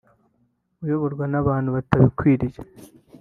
uyoborwa n’abantu batabikwiriye